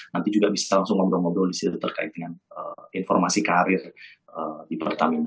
nanti juga bisa langsung ngobrol ngobrol disitu terkait dengan informasi karir di pertamina